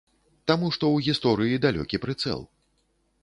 Таму што ў гісторыі далёкі прыцэл.